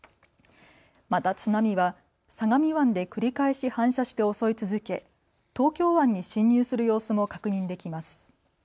また津波は相模湾で繰り返し反射して襲い続け、東京湾に侵入する様子も確認できます。